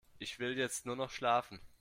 Ich will jetzt nur noch schlafen.